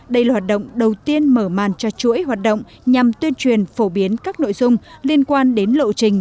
đây là hoạt động đầu tiên mở màn cho chuỗi hoạt động nhằm tuyên truyền phổ biến các nội dung liên quan đến lộ trình